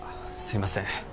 すいません